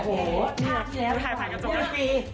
ทุ่นถ่ายถ่ายของพี่